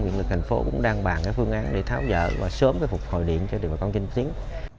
điện lực hành phố cũng đang bàn cái phương án để tháo dở và sớm phục hồi điện cho địa phương trinh tiến